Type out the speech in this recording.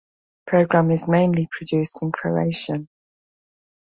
Program is mainly produced in Croatian.